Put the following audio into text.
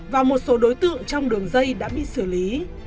và một số đối tượng trong đường dây đã bị xử lý